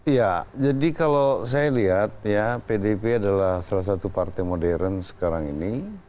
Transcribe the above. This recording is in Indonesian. ya jadi kalau saya lihat ya pdip adalah salah satu partai modern sekarang ini